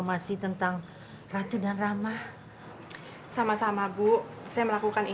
masih di sini